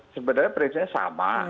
sebenarnya perhiasannya sama